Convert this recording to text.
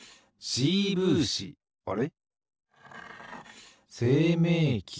あれ？